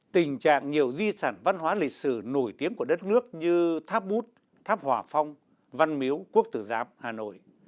tình trạng nhiều di sản văn hóa lịch sử nổi tiếng của đất nước như tháp bút tháp hòa phong văn miếu quốc tử giám hà nội